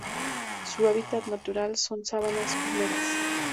Su hábitat natural son sabanas húmedas.